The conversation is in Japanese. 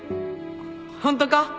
ホントか？